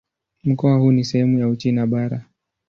Mkoa huu ni sehemu ya Uchina Bara.